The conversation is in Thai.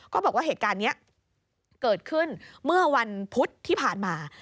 ก็บอกว่าเหตุการณ์นี้เกิดขึ้นเมื่อวันพุธที่ผ่านมา